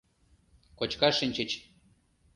Кочкаш шинчыч.